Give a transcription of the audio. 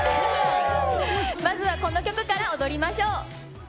まずはこの曲から踊りましょう。